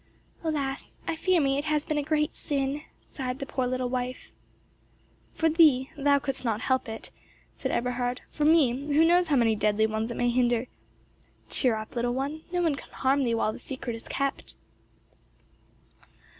"Alas! I fear me it has been a great sin!" sighed the poor little wife. "For thee—thou couldst not help it," said Eberhard; "for me—who knows how many deadly ones it may hinder? Cheer up, little one; no one can harm thee while the secret is kept."